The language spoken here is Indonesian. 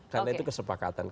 karena itu kesepakatan